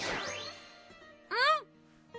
うん！